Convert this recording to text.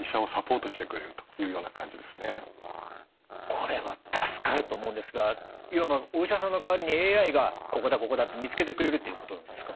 これは助かると思うんですがいわばお医者さんの代わりにＡＩがここだここだって見つけてくれるっていうことなんですか？